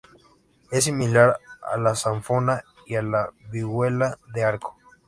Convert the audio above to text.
Es similar a la zanfona y a la vihuela de arco.